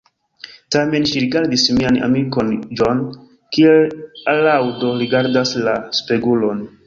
Tamen ŝi rigardis mian amikon John, kiel alaŭdo rigardas la spegulon.